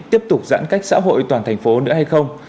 tiếp tục giãn cách xã hội toàn thành phố nữa hay không